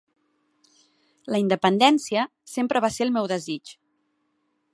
La independència sempre va ser el meu desig.